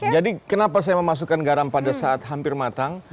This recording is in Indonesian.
jadi kenapa saya memasukkan garam pada saat hampir matang